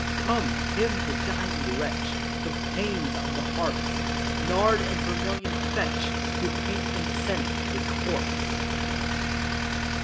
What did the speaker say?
Come, hymn the dying wretch With pæans on the harps; Nard and vermilion fetch To paint and scent the corpse.